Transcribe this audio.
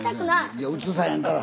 いや映さへんから。